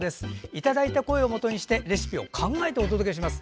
いただいた声をもとにしてレシピを考えていきます。